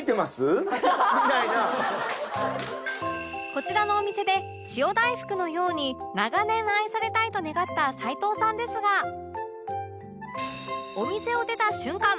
こちらのお店で塩大福のように長年愛されたいと願った齊藤さんですがお店を出た瞬間